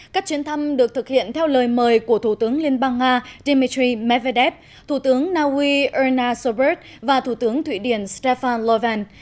các chuyến thăm được thực hiện theo lời mời của thủ tướng liên bang nga dmitry medvedev thủ tướng naui erna sobert và thủ tướng thụy điển stefan leuven